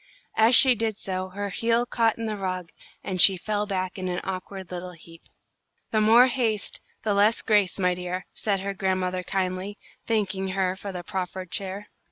As she did so, her heel caught in the rug, and she fell back in an awkward little heap. "The more haste, the less grace, my dear," said her grandmother, kindly, thanking her for the proffered chair.